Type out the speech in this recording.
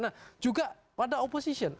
nah juga pada opposition